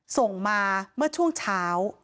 ส่งมาเมื่อช่วงเช้า